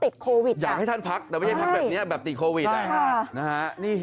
โควิดอยากให้ท่านพักแต่ไม่ใช่พักแบบนี้แบบติดโควิดนะฮะ